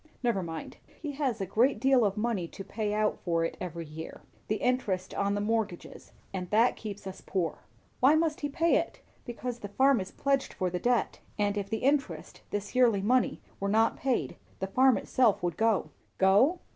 Never mind. He has a great deal of money to pay out for it every year the interest on the mortgages and that keeps us poor." "Why must he pay it?" "Because the farm is pledged for the debt; and if the interest, this yearly money, were not paid, the farm itself would go." "Go?